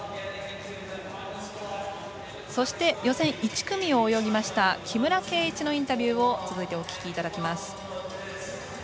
そして予選１組を泳ぎました木村敬一のインタビューを続いてお聞きいただきます。